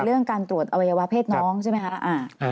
เรื่องการตรวจอวัยวะเพศน้องใช่ไหมคะ